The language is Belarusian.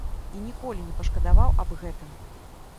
І ніколі не пашкадаваў аб гэтым.